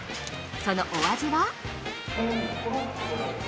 そのお味は？